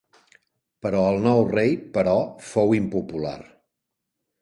Però el nou rei però fou impopular.